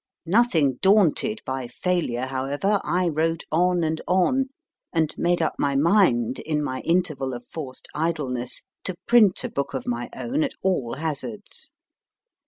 Nothing daunted by failure, however, I wrote on and on, and made up my mind, in my interval of forced idleness, to print a book of my own at all hazards.